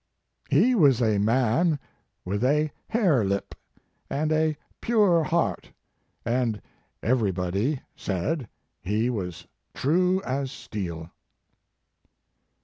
"He was a man with a hair lip, and a pure heart, and everybody said he was true as steel."